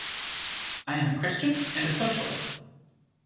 I am a Christian and a Socialist.